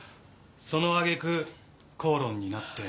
そのあげく口論になって。